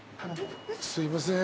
すいません。